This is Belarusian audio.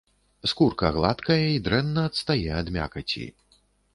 Скурка гладкая і дрэнна адстае ад мякаці.